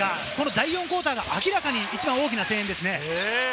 第４クオーターの、明らかに一番大きな声援ですね。